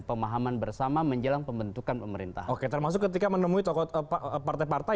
pemahaman bersama menjelang pembentukan pemerintah oke termasuk ketika menemui tokoh tokoh partai partai